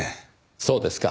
そうですか。